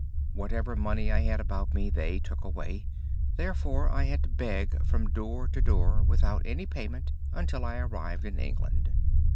Whatever money I had about me they took away; therefore I had to beg from door to door, without any payment, until I arrived in England.'"